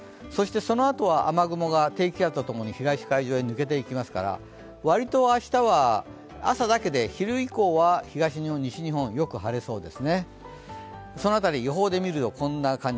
そのあとは雨雲が低気圧とともに東海上に抜けていきますから、割と明日は朝だけで昼以降は東日本、西日本よく晴れそうです。